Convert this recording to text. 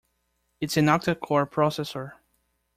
It's an octa-core processor.